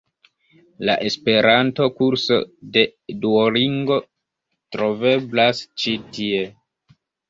La Esperanto-kurso de Duolingo troveblas ĉi tie.